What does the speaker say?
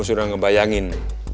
om sudah ngebayangin